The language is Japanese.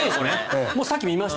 さっき見ました。